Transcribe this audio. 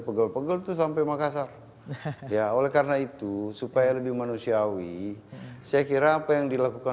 pegel pegel tuh sampai makassar ya oleh karena itu supaya lebih manusiawi saya kira apa yang dilakukan